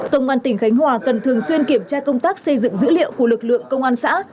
công an tỉnh khánh hòa cần thường xuyên kiểm tra công tác xây dựng dữ liệu của lực lượng công an xã